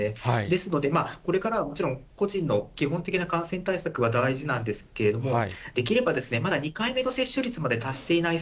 ですので、これからはもちろん、個人の基本的な感染対策は大事なんですけれども、できれば、まだ２回目の接種率まで達していない